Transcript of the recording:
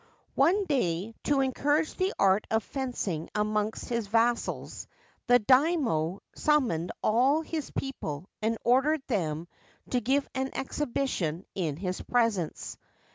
One day, to encourage the art of fencing amongst his vassals, the Daimio summoned all his people and ordered them to give an exhibition in his presence.